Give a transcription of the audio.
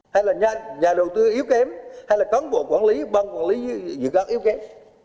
hay là nhà đầu tư yếu kém hay là cán bộ quản lý băng quản lý dự án yếu kém